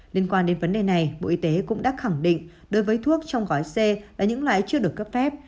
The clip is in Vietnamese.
liên quan đến vấn đề này bộ y tế cũng đã khẳng định đối với thuốc trong gói xe là những lái chưa được cấp phép